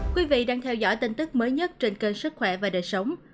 các bạn đang theo dõi tình tức mới nhất trên kênh sức khỏe và đời sống